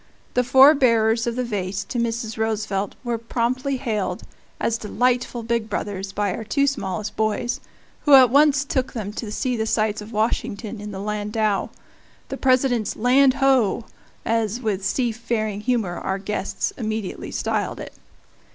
The four bearers of the vase to Mrs. Roosevelt were promptly hailed as delightful big brothers by our two smallest boys, who at once took them to see the sights of Washington in the landau "the President's land ho!" as, with seafaring humor, our guests immediately styled it.